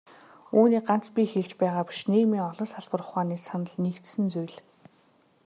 Үүнийг ганц би хэлж байгаа биш, нийгмийн олон салбар ухааны санал нэгдсэн зүйл.